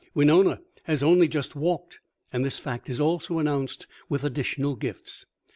Winona has only just walked, and this fact is also announced with additional gifts.